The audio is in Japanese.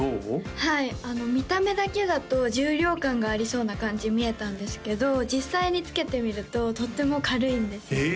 はい見た目だけだと重量感がありそうな感じに見えたんですけど実際に着けてみるととっても軽いんですよえ